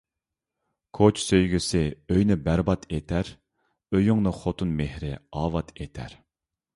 كوچا سۆيگۈسى ئۆينى بەرباد ئېتەر، ئۆيۈڭنى خوتۇن مېھرى ئاۋات ئېتەر